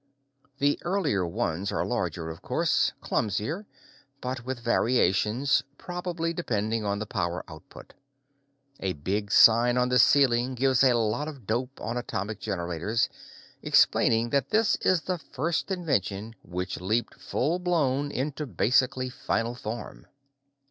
The earlier ones are larger, of course, clumsier, but with variations, probably depending on the power output. A big sign on the ceiling gives a lot of dope on atomic generators, explaining that this is the first invention which leaped full blown into basically final form.